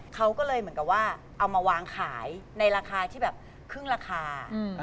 เขาก็เลยเหมือนกับว่าเอามาวางขายในราคาที่แบบครึ่งราคา